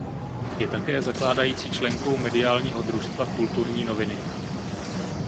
Je také zakládající členkou mediálního družstva Kulturní noviny.